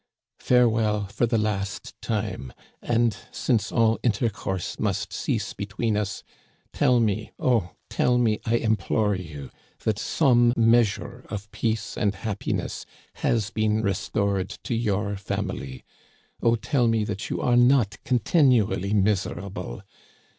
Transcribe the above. Farewell for the last time, and, since all intercourse must cease between us, tell me, oh, tell me, I implore you, that some measure of peace and happiness has been restored to your family ! Oh, tell me that you are not continually miserable